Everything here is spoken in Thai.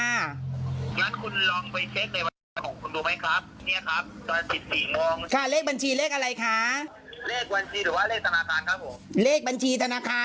งั้นคุณลองไปเช็คในบัญชีของคุณดูไหมครับเนี่ย